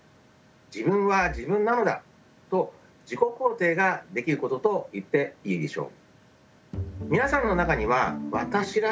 「自分は自分なのだ」と自己肯定ができることと言っていいでしょう。